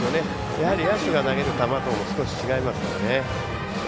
やはり野手が投げる球とも少し違いますからね。